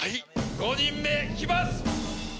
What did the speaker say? ５人目行きます！